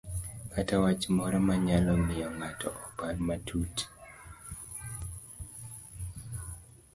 kata wach moro manyalo miyo ng'ato opar matut